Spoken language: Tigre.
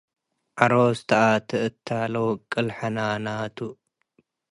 ዐሮስ ተአቴ እተ ለውቁል ሕናናቱ